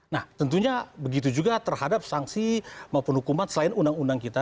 nah tentunya begitu juga terhadap sanksi maupun hukuman selain undang undang kita